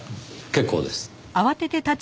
結構です。